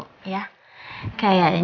kayaknya cucu mama itu juga lagi capek